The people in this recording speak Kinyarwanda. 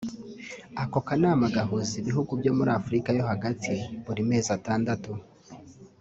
Ako kanama gahuza ibihugu byo muri Afurika yo Hagati buri mezi atandatu